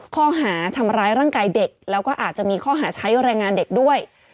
ข้อหาทำร้ายร่างกายเด็กแล้วก็อาจจะมีข้อหาใช้แรงงานเด็กด้วย